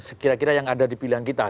sekiranya yang ada di pilihan kita